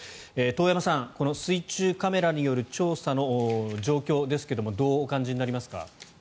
遠山さん、この水中カメラによる調査の状況ですがどうお感じになりますか。